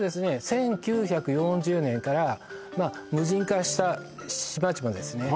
１９４０年からまあ無人化した島々ですね